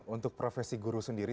untuk profesi guru sendiri